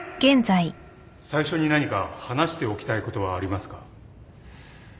最初に何か話しておきたいことはありますか？